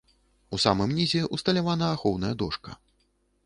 У самым нізе ўсталявана ахоўная дошка.